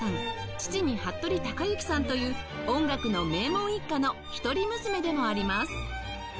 父に服部之さんという音楽の名門一家の一人娘でもあります